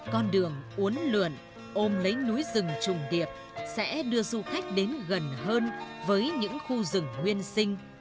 con đường uốn lượn ôm lấy núi rừng trùng điệp sẽ đưa du khách đến gần hơn với những khu rừng nguyên sinh